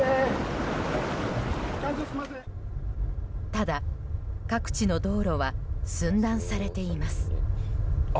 ただ、各地の道路は寸断されています。